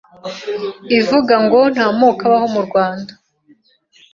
ivuga ngo nta moko abaho murwanda